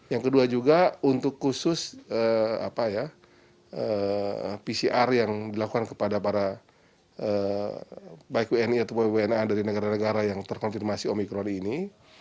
yang kedua juga untuk khusus pcr yang dilakukan kepada para baik wni atau wna dari negara negara yang terkonfirmasi omikron ini